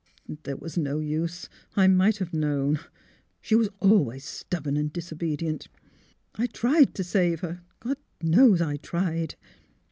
'' There was no use — I might have known. She was always stubborn and disobedient. I — tried to save her. God knows I tried